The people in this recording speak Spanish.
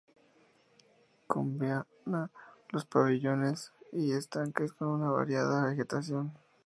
Combina los pabellones y estanques con una variada vegetación.